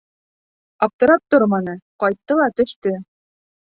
Аптырап торманы, ҡайтты ла төштө.